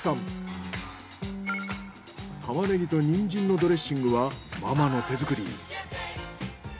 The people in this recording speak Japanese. タマネギとニンジンのドレッシングはママの手作り。